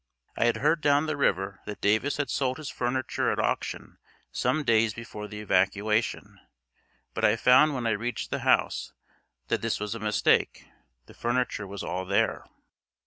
I had heard down the river that Davis had sold his furniture at auction some days before the evacuation, but I found when I reached the house that this was a mistake the furniture was all there.